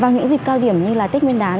vào những dịp cao điểm như là tết nguyên đán